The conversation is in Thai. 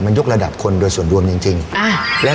มันยกระดับคนโดยส่วนรวมจริง